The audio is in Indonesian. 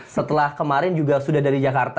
setelah kemarin juga sudah dari jakarta